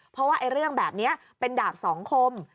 เพราะว่าเรื่องแบบนี้เป็นดาบสองคม